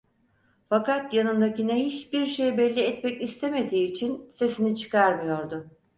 Fakat yanındakine hiçbir şey belli etmek istemediği için sesini çıkarmıyordu.